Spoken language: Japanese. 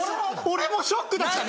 俺もショックだった。